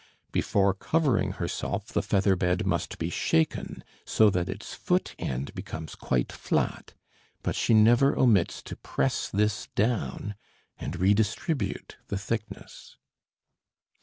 Before covering herself, the featherbed must be shaken so that its foot end becomes quite flat, but she never omits to press this down and redistribute the thickness.